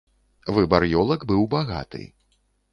Выбар ёлак быў багаты.